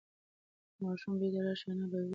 که ماشوم بیرته راشي انا به یې وبښي.